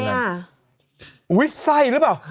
หรือเปล่า